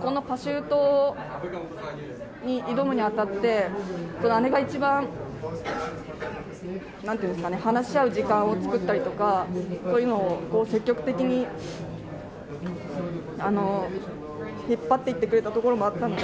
このパシュートに挑むにあたって、姉が一番、なんていうんですかね、話し合う時間を作ったりとか、そういうのを積極的に引っ張っていってくれたところもあったので。